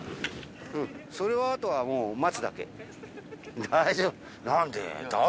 うんそれはあとはもう待つだけ。